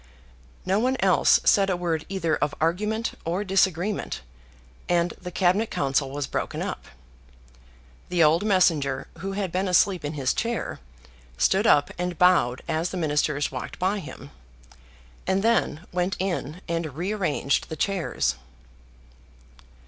No one else said a word either of argument or disagreement, and the Cabinet Council was broken up. The old messenger, who had been asleep in his chair, stood up and bowed as the Ministers walked by him, and then went in and rearranged the chairs.